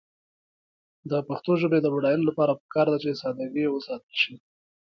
د پښتو ژبې د بډاینې لپاره پکار ده چې ساده ګي وساتل شي.